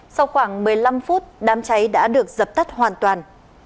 sau khoảng một mươi năm phút đám cháy đã được dập tắt hoàn toàn